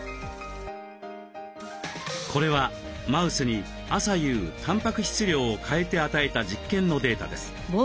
これはマウスに朝夕たんぱく質量を変えて与えた実験のデータです。